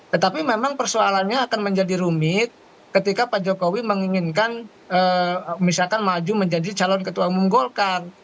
tetapi memang persoalannya akan menjadi rumit ketika pak jokowi menginginkan misalkan maju menjadi calon ketua umum golkar